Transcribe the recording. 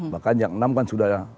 bahkan yang enam kan sudah